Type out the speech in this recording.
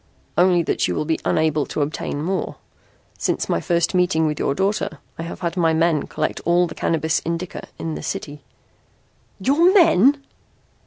"Only that you will be unable to obtain more. Since my first meeting with your daughter I have had my men collect all the Cannabis Indica in the city." "Your men!"